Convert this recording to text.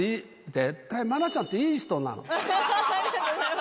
絶対、愛菜ちゃありがとうございます。